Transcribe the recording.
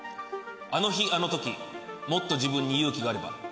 あの日あの時もっと自分に勇気があれば。